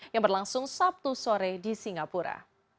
yang berlangsung sabtu sore di singapura